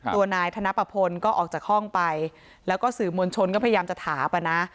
ตัวนายธนปะพลก็ออกจากห้องไปแล้วก็สื่อมวลชนก็พยายามจะถามอ่ะนะ